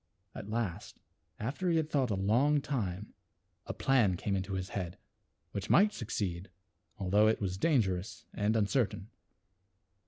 At last, after he had thought a long time a plan came into his head which might succeed although it was dangerous and uncertain.